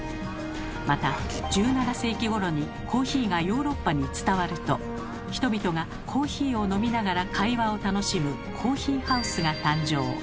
また１７世紀ごろにコーヒーがヨーロッパに伝わると人々がコーヒーを飲みながら会話を楽しむコーヒーハウスが誕生。